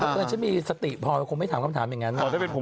เพื่อนฉันมีสติพอคงไม่ถามคำถามอย่างนั้น